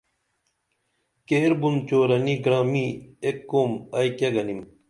کیر بُن چورنی گرامی ایک قوم ائی کیہ گنِم